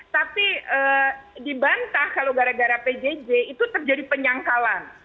tapi dibantah kalau gara gara pjj itu terjadi penyangkalan